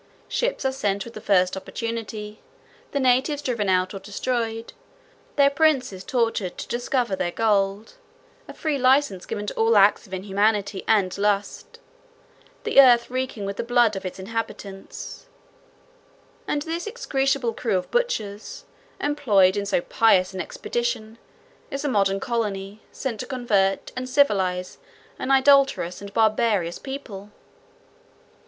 Ships are sent with the first opportunity; the natives driven out or destroyed; their princes tortured to discover their gold; a free license given to all acts of inhumanity and lust, the earth reeking with the blood of its inhabitants: and this execrable crew of butchers, employed in so pious an expedition, is a modern colony, sent to convert and civilize an idolatrous and barbarous people!